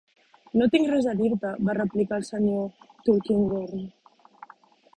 "No tinc res a dir-te", va replicar el Sr. Tulkinghorn.